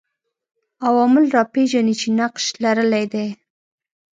عوامل راپېژني چې نقش لرلای دی